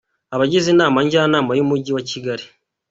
Abagize Inama Njyanama y’Umujyi wa Kigali.